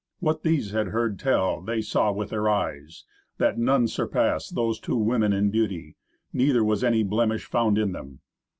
What these had heard tell they saw with their eyes, that none surpassed those two women in beauty, neither was any blemish found in them.